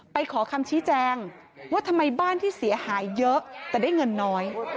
ไปขอคำชี้แจงว่าทำไมบ้านที่เสียหายเยอะแต่ได้เงินน้อย